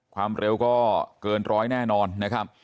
ความเร็วก็เกินร้อยแน่นอนนะครับ